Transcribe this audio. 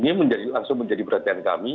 ini langsung menjadi perhatian kami